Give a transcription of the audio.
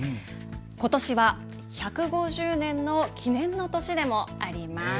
ことしは１５０年の記念の年でもあります。